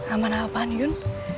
amanah apaan yun